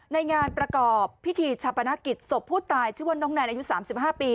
ในงานประกอบพิธีชาปนกิจศพผู้ตายชื่อว่าน้องแนนอายุ๓๕ปี